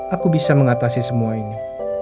aku bisa mengatasi semua ini